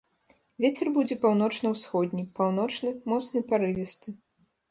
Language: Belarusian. Вецер будзе паўночна-ўсходні, паўночны, моцны парывісты.